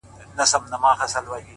عقل او زړه يې په کعبه کي جوارې کړې ده~